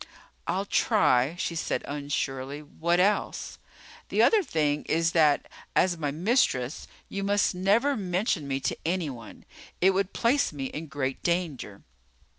"I'll try," she said unsurely. "What else?" "The other thing is that, as my mistress, you must never mention me to anyone. It would place me in great danger."